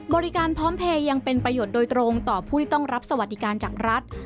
บริการพร้อมเพลย์ยังเป็นประโยชน์โดยตรงต่อผู้ที่ต้องรับสวัสดิการจากรัฐ